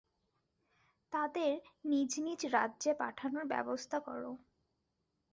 তাদের নিজ নিজ রাজ্যে পাঠানোর ব্যাবস্থা করো।